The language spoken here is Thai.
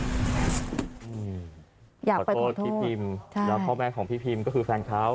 ขอโทษพี่พิมแล้วพ่อแม่ของพี่พิมก็คือแฟนเขา